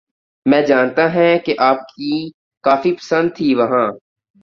میں جانتا ہیںں کہ آپ کیں کافی پسند تھیں وہاں